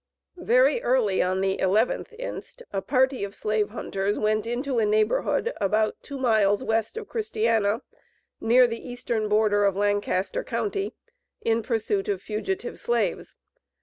Very early on the 11th inst. a party of slave hunters went into a neighborhood about two miles west of Christiana, near the eastern border of Lancaster county, in pursuit of fugitive slaves.